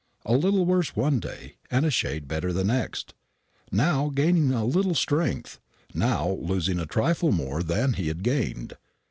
A little worse one day and a shade better the next; now gaining a little strength, now losing a trifle more than he had gained.